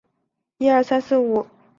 伦大国际课程在香港的历史悠久。